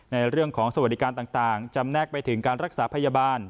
ในเรื่องของสวัสดิการต่างจำแนกไปถึงการรักษาพยาบาล